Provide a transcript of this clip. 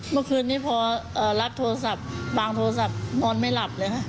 เมื่อคืนนี้พอรับโทรศัพท์บางโทรศัพท์นอนไม่หลับเลยค่ะ